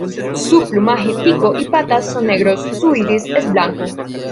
Su plumaje, pico y patas son negros, su iris es blanco.